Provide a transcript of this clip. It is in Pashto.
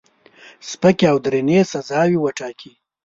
سپکې او درنې سزاوي وټاکي.